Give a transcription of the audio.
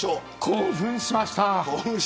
興奮しました。